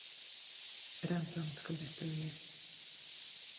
Rembrandt követője.